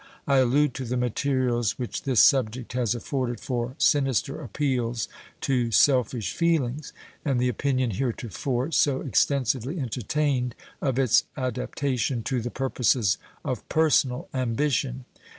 I allude to the materials which this subject has afforded for sinister appeals to selfish feelings, and the opinion heretofore so extensively entertained of its adaptation to the purposes of personal ambition.